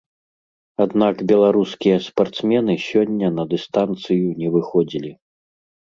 Аднак беларускія спартсмены сёння на дыстанцыю не выходзілі.